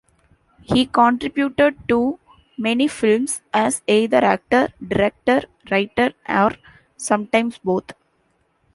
He contributed to many films as either actor, director, writer or sometimes both.